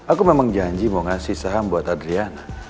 aku memang janji mau ngasih saham buat adriana